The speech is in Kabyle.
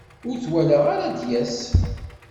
Ur t-walaɣ ara ad d-yas.